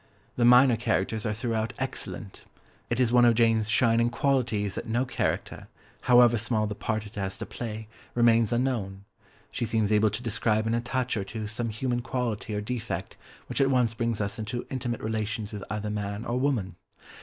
The minor characters are throughout excellent; it is one of Jane's shining qualities that no character, however small the part it has to play, remains unknown, she seems able to describe in a touch or two some human quality or defect which at once brings us into intimate relations with either man or woman.